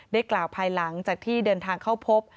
กล่าวภายหลังจากที่เดินทางเข้าพบ